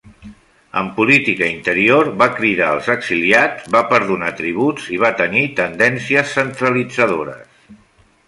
En política interior va cridar als exiliats, va perdonar tributs, i va tenir tendències centralitzadores.